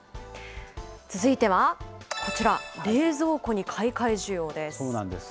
続いては、こちら、冷蔵庫に買い替え需要です。